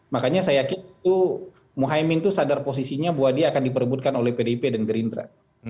makanya saya yakin itu mohaimin itu sadar posisinya bahwa dia akan diperbutkan oleh pdip dan gerindra